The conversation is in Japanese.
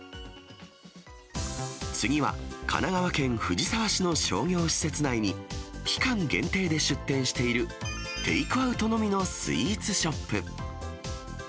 次は、神奈川県藤沢市の商業施設内に、期間限定で出店しているテイクアウトのみのスイーツショップ。